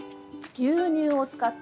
牛乳を使った